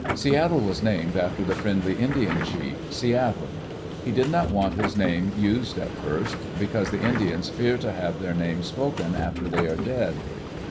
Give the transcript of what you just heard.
Seattle was named after the friendly Indian chief, Seattle. He did not want his name used at first, because the Indians fear to have their name spoken after they are dead.